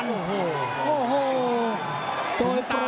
โอ้โหโอ้โหโอ้โหโอ้โหโอ้โห